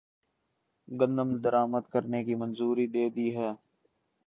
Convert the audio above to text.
گندم درآمدکرنے کی منظوری دےدی ہے